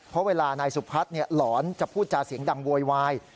เพราะเวลานายสุพัฒน์หลอนจะพูดจาเสียงดังโวยวาย